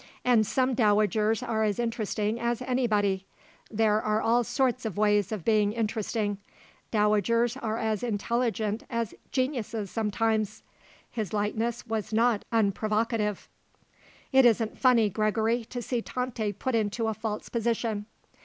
"And some dowagers are as interesting as anybody. There are all sorts of ways of being interesting. Dowagers are as intelligent as geniuses sometimes." His lightness was not unprovocative. "It isn't funny, Gregory, to see Tante put into a false position."